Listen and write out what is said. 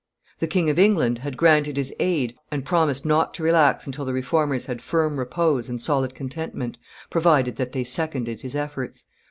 The King of England had granted his aid and promised not to relax until the Reformers had firm repose and solid contentment, provided that they seconded his efforts.